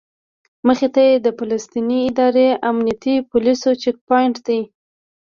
مخې ته یې د فلسطیني ادارې امنیتي پولیسو چیک پواینټ دی.